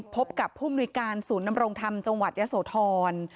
พบกับผู้มนุยการศูนย์นำรงธรรมจังหวัดยะโสธร